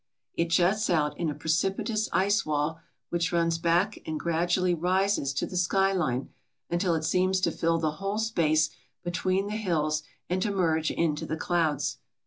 It juts out in a precipitous ice wall which runs back and gradually rises to the skyline until it seems to fill the whole space between the hills and to merge into the clouds.